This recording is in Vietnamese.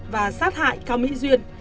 và sát hại cao mỹ duyên